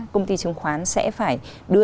công ty trứng khoán sẽ phải đưa